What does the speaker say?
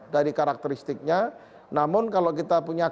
dari karakteristiknya namun kalau kita punya